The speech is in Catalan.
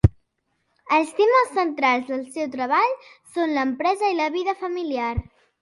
Els temes centrals del seu treball són l'empresa i la vida familiar.